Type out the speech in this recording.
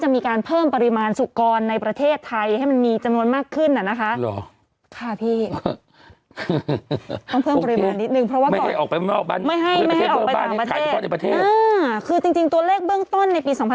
ให้ในประเทศไทยมีจำนวนมากขึ้น